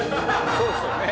そうですよね。